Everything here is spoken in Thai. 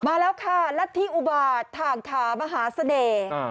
มาแล้วค่ะรัฐธิอุบาทถ่างขามหาเสน่ห์